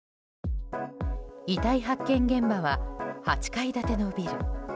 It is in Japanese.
遺体発見現場は８階建てのビル。